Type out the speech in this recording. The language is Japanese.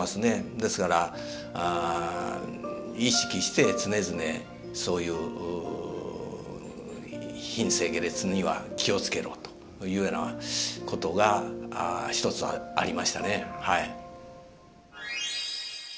ですから意識して常々そういう品性下劣には気をつけろというようなことがひとつはありましたね。